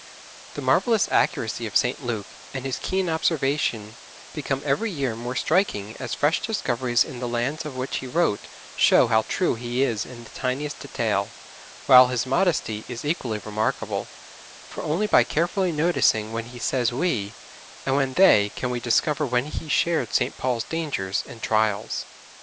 The marvellous accuracy of St. Luke and his keen observation become every year more striking as fresh discoveries in the lands of which he wrote show how true he is in the tiniest detail; while his modesty is equally remarkable, for only by carefully noticing when he says 'we' and when 'they' can we discover when he shared St. Paul's dangers and trials.